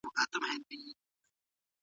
توبه د هرې ګناه لپاره دروازه ده.